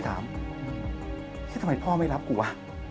ต่อให้ว่าพ่อไม่รับกูวะ